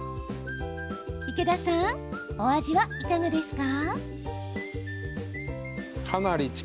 池田さん、お味はいかがですか？